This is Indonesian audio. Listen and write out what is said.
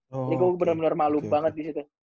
jadi gue bener bener malu banget disitu